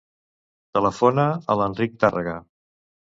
Telefona a l'Enric Tarraga.